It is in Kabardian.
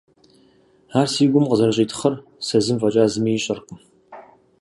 Ар си гум къызэрыщӀитхъыр сэ зым фӀэкӀа зыми ищӀэркъым…